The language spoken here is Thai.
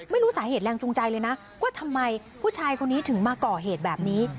ไม่รู้สาเหตุแรงจูงใจเลยนะว่าทำไมผู้ชายคนนี้ถึงมาก่อเหตุแบบนี้